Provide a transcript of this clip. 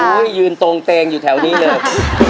ยืนตรงเตงอยู่แถวนี้เลย